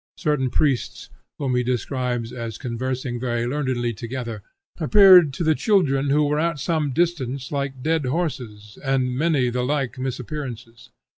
Certain priests, whom he describes as conversing very learnedly together, appeared to the children who were at some distance, like dead horses; and many the like misappearances.